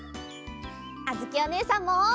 あづきおねえさんも！